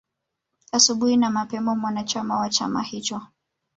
Asubuhi na mapema mwanachama wa chama hicho